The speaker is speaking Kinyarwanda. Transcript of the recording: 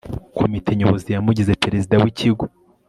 komite nyobozi yamugize perezida w'ikigo